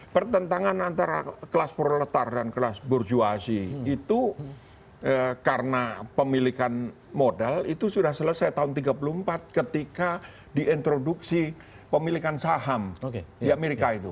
pertentangan antara kelas proletar dan kelas burjuasi itu karena pemilikan modal itu sudah selesai tahun tiga puluh empat ketika diintroduksi pemilikan saham di amerika itu